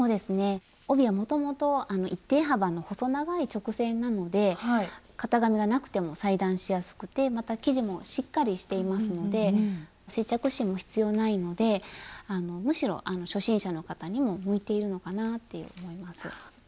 帯はもともと一定幅の細長い直線なので型紙がなくても裁断しやすくてまた生地もしっかりしていますので接着芯も必要ないのでむしろ初心者の方にも向いているのかなぁと思います。